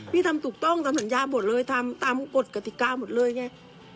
ทำถูกต้องทำสัญญาหมดเลยทำตามกฎกติกาหมดเลยไง